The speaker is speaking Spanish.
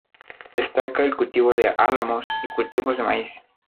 Destaca el cultivo de álamos y cultivos de maíz.